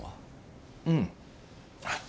うん。